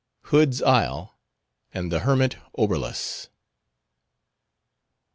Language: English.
HOOD'S ISLE AND THE HERMIT OBERLUS.